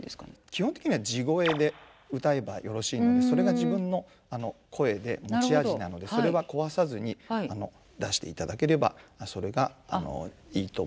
基本的には地声で歌えばよろしいのでそれが自分の声で持ち味なのでそれは壊さずに出していただければそれがいいと思いますけれども。